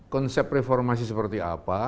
konsep reformasi seperti apa